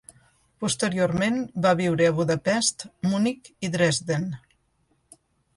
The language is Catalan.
Posteriorment va viure a Budapest, Munic i Dresden.